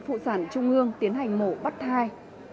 phụ sản trung hương tiến hành mổ bắt thai